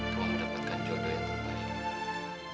kamu dapatkan jodoh yang terbaik